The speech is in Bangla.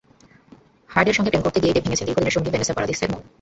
হার্ডের সঙ্গে প্রেম করতে গিয়েই ডেপ ভেঙেছেন দীর্ঘদিনের সঙ্গী ভেনেসা পারাদিসের মন।